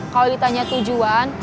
kalau ditanya tujuan